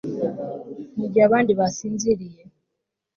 Mugihe abandi basinziriye